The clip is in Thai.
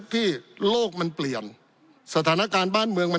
ปี๑เกณฑ์ทหารแสน๒